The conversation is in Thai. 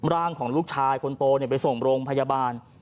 ร่างของลูกชายคนโตไปส่งโรงพยาบาล